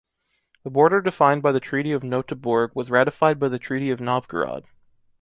The border defined by the Treaty of Nöteborg was ratified by the Treaty of Novgorod.